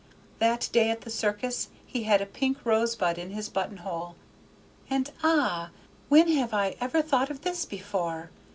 That day at the circus he had a pink rosebud in his buttonhole, and ah! when have I ever thought of this before!